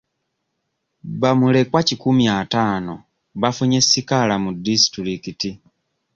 Abamulekwa kikumi ataano bafunye sikaala mu disitulikiti.